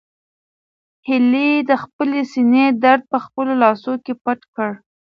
هیلې د خپلې سېنې درد په خپلو لاسو کې پټ کړ.